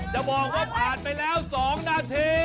จะบอกว่าผ่านไปแล้ว๒นาที